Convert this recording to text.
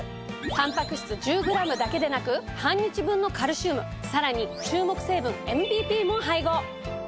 たんぱく質１０ｇだけでなく半日分のカルシウムさらに注目成分ＭＢＰも配合。